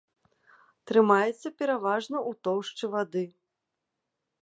Трымаецца пераважна ў тоўшчы вады.